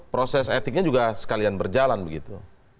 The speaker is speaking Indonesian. proses etiknya juga sekalian berjalan begitu